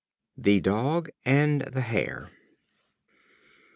The Dog and the Hare.